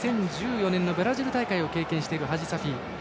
２０１４年ブラジル大会を経験しているハジサフィ。